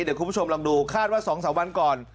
เดี๋ยวคุณผู้ชมลองดูคาดว่า๒๓วันก่อน